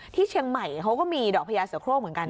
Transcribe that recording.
ที่เชียงใหม่เขาก็มีดอกพญาเสือโครงเหมือนกัน